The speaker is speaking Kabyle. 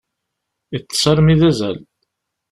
Iṭṭes armi d azal.